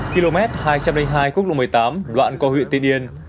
km hai trăm linh hai quốc lộ một mươi tám đoạn qua huyện tiên yên